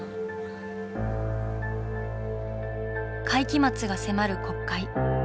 会期末が迫る国会。